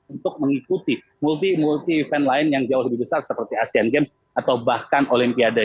untuk mengikuti multi multi event lain yang jauh lebih besar seperti asean games atau bahkan olimpiade